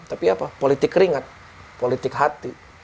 tapi apa politik ringan politik hati